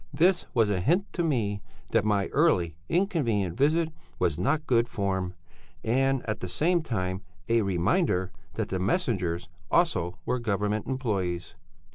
This was a hint to me that my early, inconvenient visit was not good form, and at the same time a reminder that the messengers, also, were government employés.